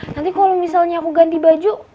nanti kalau misalnya aku ganti baju